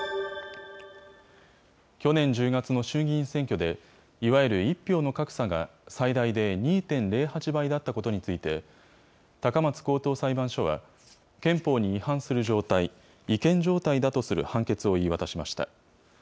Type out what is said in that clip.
去年１０月の衆議院選挙で、いわゆる１票の格差が、最大で２．０８倍だったことについて、高松高等裁判所は、憲法に違反する状態、違憲状態だとする判決を言い渡しました。